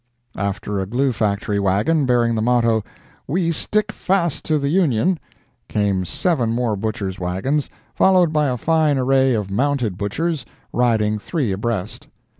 After a glue factory wagon, bearing the motto, "We stick fast to the Union," came seven more butchers' wagons, followed by a fine array of mounted butchers, riding three abreast.